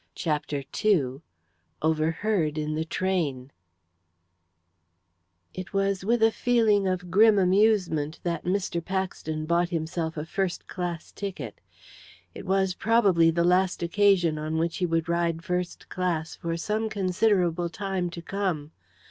CHAPTER II OVERHEARD IN THE TRAIN It was with a feeling of grim amusement that Mr. Paxton bought himself a first class ticket. It was, probably, the last occasion on which he would ride first class for some considerable time to come.